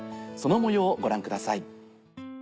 その模様をご覧ください。